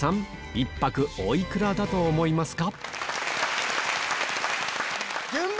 １泊お幾らだと思いますか？